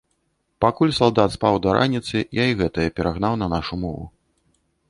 Пакуль салдат спаў да раніцы, я і гэтае перагнаў на нашу мову.